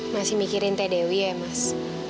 masih mikirin teh dewi ya mas